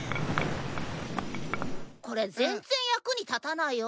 これ全然役に立たないよ。